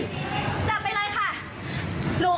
จับไปเลยค่ะ